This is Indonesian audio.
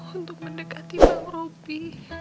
untuk mendekati bang robi